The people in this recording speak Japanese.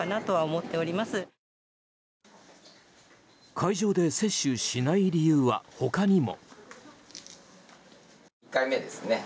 会場で接種しない理由には他にも。